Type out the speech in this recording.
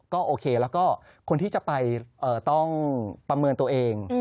ก็โอเคแล้วก็คนที่จะไปต้องประเมินตัวเอง